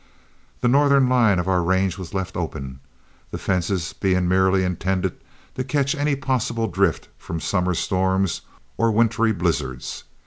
The northern line of our range was left open, the fences being merely intended to catch any possible drift from summer storms or wintry blizzards.